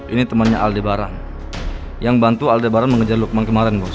ini temannya aldebaran yang bantu aldebaran mengejar lukman kemarin bos